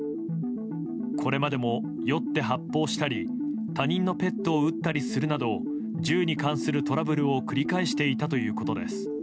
これまでも酔って発砲したり他人のペットを撃ったりするなど銃に関するトラブルを繰り返していたということです。